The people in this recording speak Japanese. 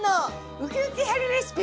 ウキウキ春レシピ。